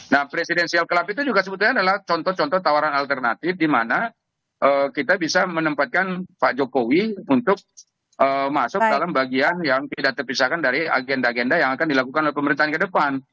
nah presidensial club itu juga sebetulnya adalah contoh contoh tawaran alternatif di mana kita bisa menempatkan pak jokowi untuk masuk dalam bagian yang tidak terpisahkan dari agenda agenda yang akan dilakukan oleh pemerintahan ke depan